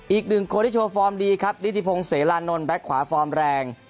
อีกหนึ่งคนที่โชว์ฟอร์มดีครับนิติพงศ์เสรานนท์แบ็คขวาฟอร์มแรง